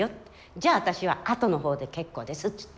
じゃあ私は後の方で結構ですっつって。